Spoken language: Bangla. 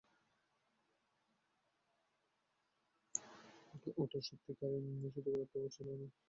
ওটা সত্যিকার অর্থে ও ছিল না।